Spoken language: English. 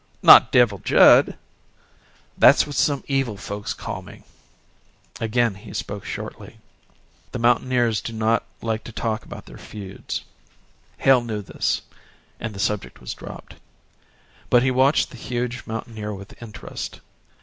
"Not Devil Judd!" "That's what some evil folks calls me." Again he spoke shortly. The mountaineers do not like to talk about their feuds. Hale knew this and the subject was dropped. But he watched the huge mountaineer with interest.